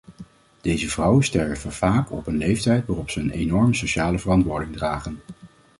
Deze vrouwen sterven vaak op een leeftijd waarop ze een enorme sociale verantwoording dragen.